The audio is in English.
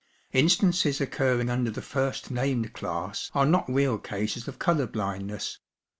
Instances occurring under the first named class are not real cases of colour blindness.